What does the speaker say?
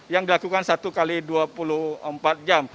yang dilakukan satu x dua puluh empat jam